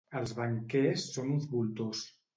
Els banquers són uns voltors.